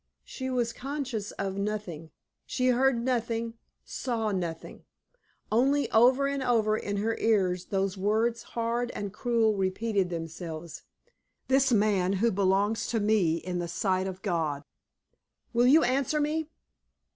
She was conscious of nothing she heard nothing, saw nothing only over and over in her ears those words hard and cruel repeated themselves: "This man who belongs to me in the sight of God!" "Will you answer me?"